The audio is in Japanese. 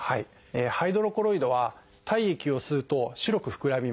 ハイドロコロイドは体液を吸うと白く膨らみます。